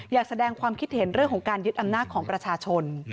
อยากแสดงความคิดเห็นเรื่องของการยึดอำนาจของประชาชน